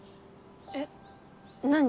えっ何？